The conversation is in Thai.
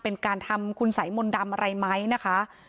เป็นการทำคุณสัยมนต์ดำอะไรไหมนะคะ